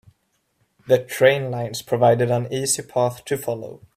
The train lines provided an easy path to follow.